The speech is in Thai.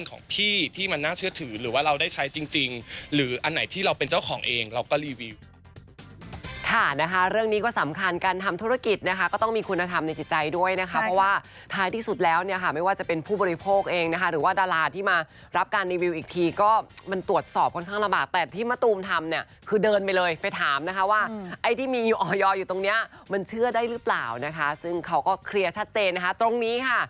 ค่ะเรื่องนี้ก็สำคัญการทำธุรกิจก็ต้องมีคุณธรรมในใจด้วยนะครับเพราะว่าท้ายที่สุดแล้วไม่ว่าจะเป็นผู้บริโภคเองหรือว่าดาราที่มารับการรีวิวอีกทีก็มันตรวจสอบค่อนข้างลำบากแต่ที่มตูมทำคือเดินไปเลยไปถามว่าไอ้ที่มีออยออยอยู่ตรงนี้มันเชื่อได้หรือเปล่าซึ่งเขาก็เคลียร์ชัดเจนตรงน